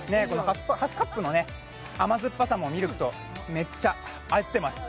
ハスカップの甘酸っぱさも、ミルクとめっちゃ合ってます。